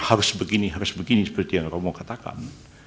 harus begini harus begini seperti yang romo katakan